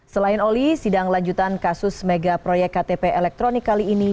selain oli sidang lanjutan kasus mega proyek ktp elektronik kali ini